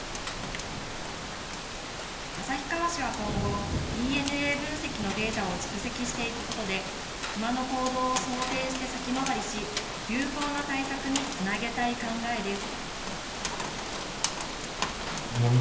旭川市は今後、ＤＮＡ分析のデータを蓄積していくことで、クマの行動を想定して先回りし、有効な対策につなげたい考えです。